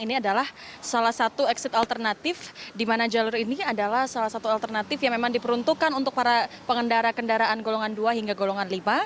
ini adalah salah satu exit alternatif di mana jalur ini adalah salah satu alternatif yang memang diperuntukkan untuk para pengendara kendaraan golongan dua hingga golongan lima